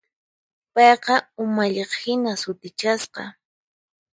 Payqa umalliqhina sutichasqa.